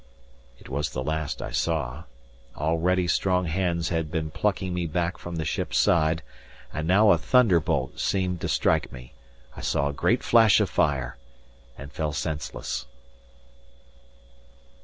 It was the last I saw. Already strong hands had been plucking me back from the ship's side; and now a thunderbolt seemed to strike me; I saw a great flash of fire, and fell senseless.